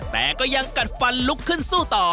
แต่ก็ยังกัดฟันลุกขึ้นสู้ต่อ